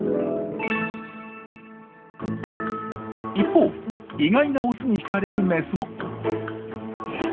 一方意外なオスに引かれるメスも。